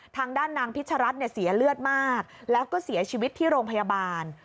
ทางด้านนางพิชรัฐเนี่ยเสียเลือดมากแล้วก็เสียชีวิตที่โรงพยาบาล